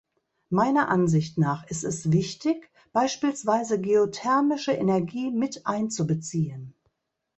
Meiner Ansicht nach ist es wichtig, beispielsweise geothermische Energie mit einzubeziehen.